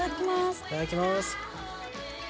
いただきます。